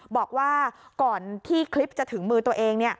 บอกว่าก่อนที่คลิปจะถึงมือตัวเอง